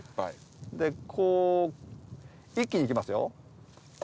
でこう一気に行きますよ。